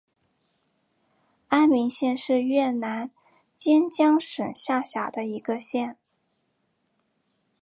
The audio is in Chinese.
安明县是越南坚江省下辖的一个县。